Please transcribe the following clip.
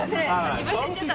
自分で言っちゃった。